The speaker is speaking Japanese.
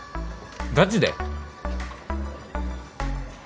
ガチで？